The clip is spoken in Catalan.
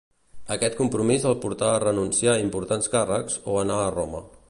Aquest compromís el portà a renunciar a importants càrrecs o anar a Roma.